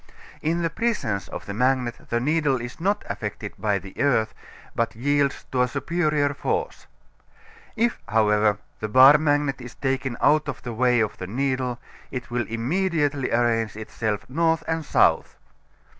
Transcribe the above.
In the presence of the magnet the needle is not affected by the earth, but yields to a superior force. If, however, the bar magnet is taken out of the way of the needle it will immediately arrange itself north and south.